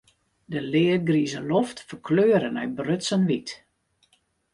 De leadgrize loft ferkleure nei brutsen wyt.